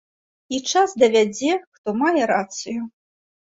І час давядзе, хто мае рацыю.